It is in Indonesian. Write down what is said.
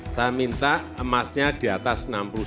saya minta emasnya di atas enam puluh sembilan